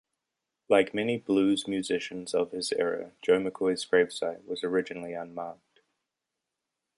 Like many blues musicians of his era, Joe McCoy's grave site was originally unmarked.